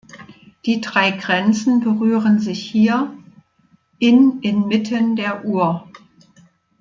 Die drei Grenzen berühren sich hier in inmitten der Our.